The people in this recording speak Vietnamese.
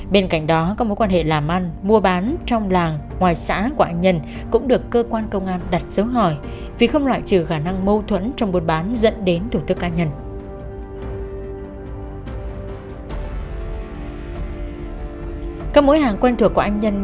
bên cạnh đó các mối quan hệ làm ăn mua bán trong làng ngoài xã của anh nhân cũng được cơ quan công an đặt dấu hỏi vì không loại trừ khả năng mâu thuẫn trong buôn bán dẫn đến thủ tức cá nhân